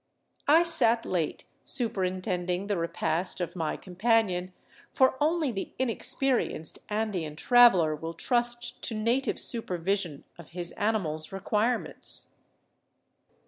I sat late superintending the repast of my companion, for only the inexperienced Andean traveler will trust to native supervision of his animal's requirements.